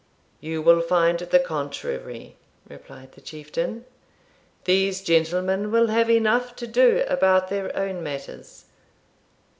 'You will find the contrary,' replied the Chieftain, 'these gentlemen will have enough to do about their own matters.